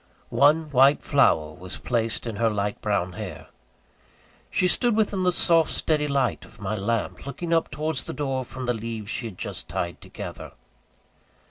One white flower was placed in her light brown hair. She stood within the soft steady light of my lamp, looking up towards the door from the leaves she had just tied together.